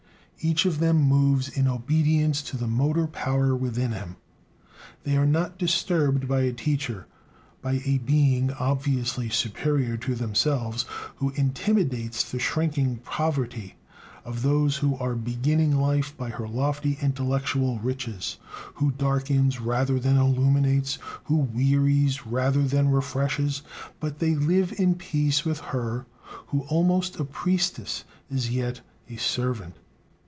Each one of them moves in obedience to the motor power within him. They are not disturbed by a teacher, by a being obviously superior to themselves, who intimidates the shrinking poverty of those who are beginning life by her lofty intellectual riches, who darkens rather than illuminates, who wearies rather than refreshes; but they live in peace with her who, almost a priestess, is yet a servant.